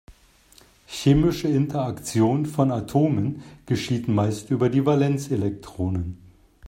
Chemische Interaktion von Atomen geschieht meist über die Valenzelektronen.